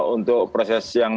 untuk proses yang